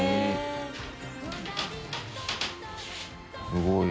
すごい。